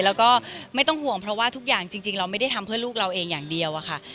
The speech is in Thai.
แล้วก็ไม่ต้องห่วงเพราะว่าทุกอย่างจริงเราไม่ได้ทำเพื่อลูกเราเองอย่างเดียวอะค่ะ